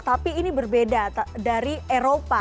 tapi ini berbeda dari eropa